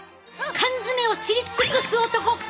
缶詰を知り尽くす男フ！